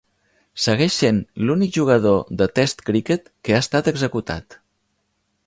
Segueix sent l'únic jugador de test cricket que ha estat executat.